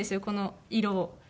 この色を。